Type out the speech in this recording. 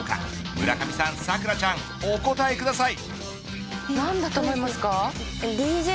村上さん、桜ちゃんお答えください。